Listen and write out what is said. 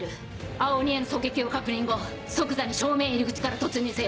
青鬼への狙撃を確認後即座に正面入り口から突入せよ。